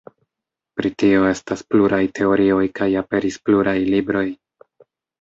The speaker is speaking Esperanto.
Pri tio estas pluraj teorioj kaj aperis pluraj libroj.